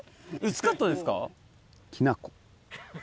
薄かったですか？